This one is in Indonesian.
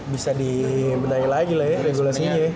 bisa dibenahi lagi lah ya regulasinya ya